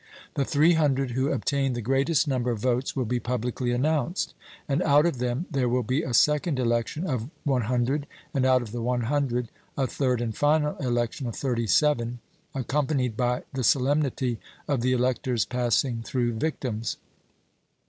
The 300 who obtain the greatest number of votes will be publicly announced, and out of them there will be a second election of 100; and out of the 100 a third and final election of thirty seven, accompanied by the solemnity of the electors passing through victims.